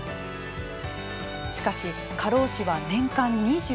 しかし過労死は年間２６件。